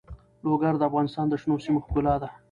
لوگر د افغانستان د شنو سیمو ښکلا ده.